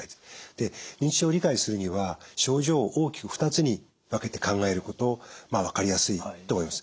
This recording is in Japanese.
で認知症を理解するには症状を大きく２つに分けて考えると分かりやすいと思います。